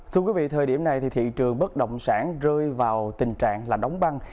thưa quý vị thời điểm này thì thị trường bất động sản rơi vào tình trạng là đóng băng